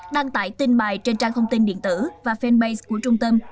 đăng tải tin bài trên trang thông tin điện tử và fanpage của trung tâm